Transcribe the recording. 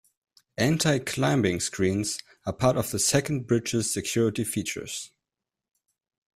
Anti-climbing screens are part of the second bridge's security features.